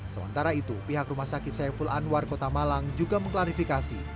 sementara itu pihak rumah sakit saiful anwar kota malang juga mengklarifikasi